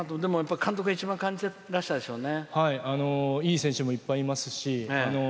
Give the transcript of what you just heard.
監督が一番感じてらしたでしょうね。